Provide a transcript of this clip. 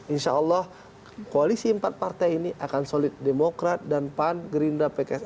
insya allah koalisi empat partai ini akan solid demokrat dan pan gerindra pks